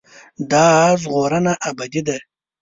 دا ژغورنه ابدي ده.